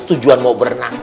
tujuan mau berenang